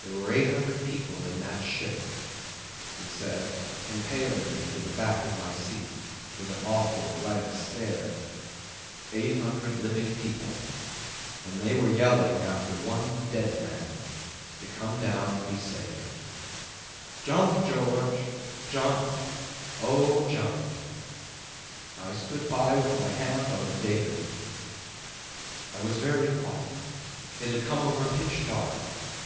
"There were eight hundred people in that ship," he said, impaling me to the back of my seat with an awful blank stare. "Eight hundred living people, and they were yelling after the one dead man to come down and be saved. 'Jump, George! Jump! Oh, jump!' I stood by with my hand on the davit. I was very quiet. It had come over pitch dark.